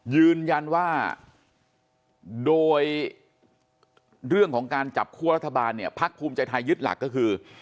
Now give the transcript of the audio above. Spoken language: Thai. ยืนยันว่าโดยเรื่องของการจับคั่วรัฐบาลเนี่ยพักภูมิใจไทยยึดหลักก็คือ